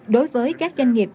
đối với các doanh nghiệp